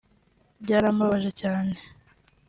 ’ byarambabaje cyane”